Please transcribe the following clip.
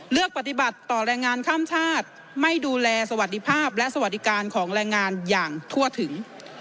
เลือกปฏิบัติต่อแรงงานข้ามชาติไม่ดูแลสวัสดิภาพและสวัสดิการของแรงงานอย่างทั่วถึง